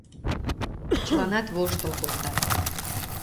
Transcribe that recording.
Чыланат воштыл колтат.